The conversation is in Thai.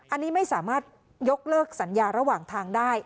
อันนี้ไม่สามารถยกเลิกสัญญาระหว่างทางได้